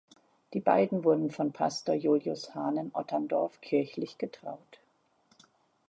Die beiden wurden von Pastor Julius Hahn in Otterndorf kirchlich getraut.